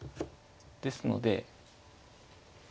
ですので。